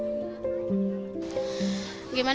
sebelum diangkat warga di tenda diperlukan untuk menjaga keamanan